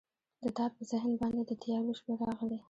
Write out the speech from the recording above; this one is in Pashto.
د تار په ذهن باندې، د تیارو شپې راغلي